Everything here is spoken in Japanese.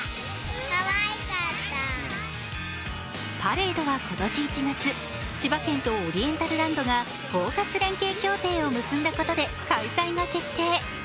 パレードは今年１月、千葉県とオリエンタルランドが包括連携協定を結んだことで開催が決定。